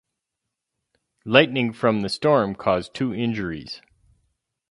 Lightning from the storm caused two injuries.